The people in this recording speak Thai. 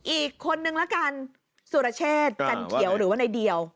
อีกคนนึงละกันสุรเชษจันเขียวหรือว่าในเดียว